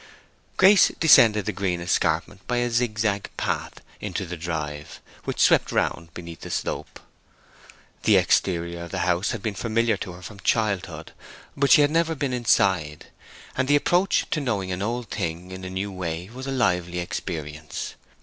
Grace descended the green escarpment by a zigzag path into the drive, which swept round beneath the slope. The exterior of the house had been familiar to her from her childhood, but she had never been inside, and the approach to knowing an old thing in a new way was a lively experience.